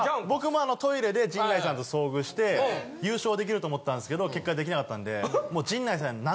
僕もトイレで陣内さんと遭遇して優勝できると思ったんですけど結果出来なかったんでもう陣内さん。